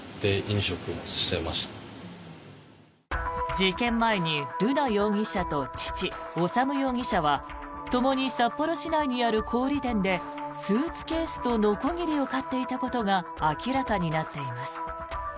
事件前に瑠奈容疑者と父・修容疑者はともに札幌市内にある小売店でスーツケースとのこぎりを買っていたことが明らかになっています。